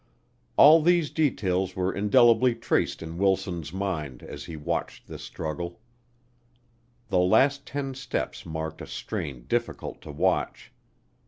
All these details were indelibly traced in Wilson's mind as he watched this struggle. The last ten steps marked a strain difficult to watch.